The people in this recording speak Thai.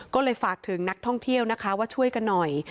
ก็เลยฝากถึงนักท่องเที่ยวนะคะว่าช่วยกันหน่อย